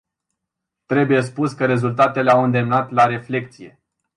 Trebuie spus că rezultatele au îndemnat la reflecție.